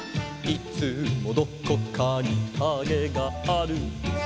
「いつもどこかにカゲがある」